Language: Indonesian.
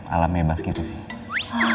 alam bebas gitu sih